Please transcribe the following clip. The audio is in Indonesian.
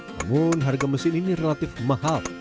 namun harga mesin ini relatif mahal